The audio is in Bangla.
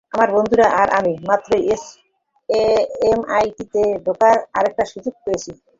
আমার বন্ধুরা আর আমি মাত্রই এমআইটিতে ঢোকার আরেকটা সুযোগ পেয়েছি।